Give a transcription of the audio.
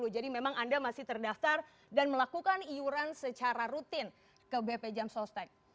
jadi memang anda masih terdaftar dan melakukan iuran secara rutin ke bp jam sostek